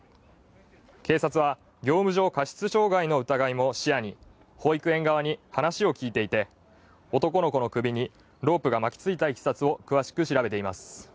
警察は業務上過失傷害の疑いも視野に保育園側に話を聞いていて男の子の首にロープが巻きついたいきさつを詳しく調べています。